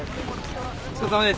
・お疲れさまです。